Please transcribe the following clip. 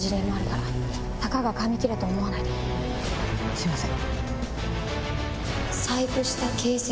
すいません。